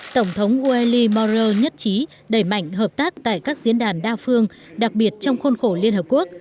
tổng thống ullimaurer nhất trí đẩy mạnh hợp tác tại các diễn đàn đa phương đặc biệt trong khôn khổ liên hợp quốc